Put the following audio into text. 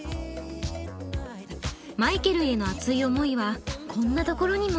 マイケルへの熱い思いはこんなところにも。